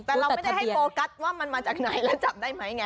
แต่เราไม่ได้ให้โฟกัสว่ามันมาจากไหนแล้วจับได้ไหมไง